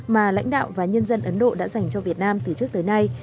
mà lãnh đạo và nhân dân ấn độ đã dành cho việt nam từ trước tới nay